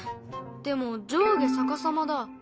でも上下逆さまだ。